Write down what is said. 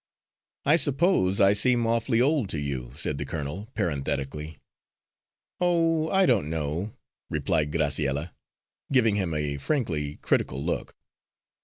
"I suppose I seem awfully old to you," said the colonel, parenthetically. "Oh, I don't know," replied Graciella, giving him a frankly critical look.